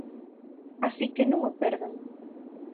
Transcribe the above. Así que non o perdan.